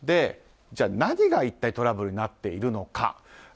何が一体トラブルになっているのか。